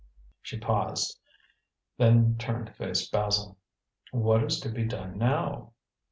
She paused, then turned to face Basil. "What is to be done now?"